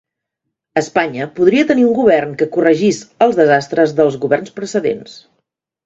Espanya podria tenir un govern que corregís els desastres dels governs precedents.